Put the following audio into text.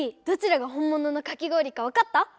どちらが本もののかき氷か分かった？